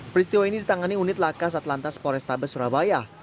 peristiwa ini ditangani unit lakas atlantas polrestabes surabaya